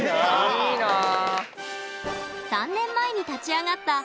いいなあ。